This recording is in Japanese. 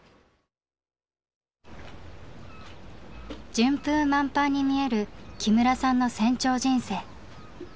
順風満帆に見える木村さんの船長人生。